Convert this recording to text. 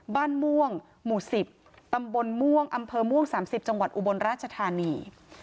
บ้านม่วงหมู่๑๐ตำบลม่วงอำเภอม่วง๓๐จังหวัดอุบลราชธานี